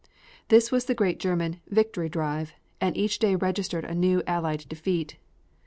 This was the great German "Victory Drive" and each day registered a new Allied defeat.